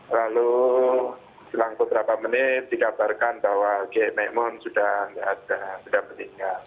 lalu selangkut berapa menit dikabarkan bahwa mbah mun sudah meninggal